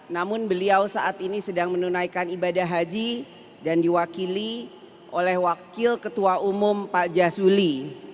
namun beliau saat ini sedang menunaikan ibadah haji dan diwakili oleh wakil ketua umum pak jasuli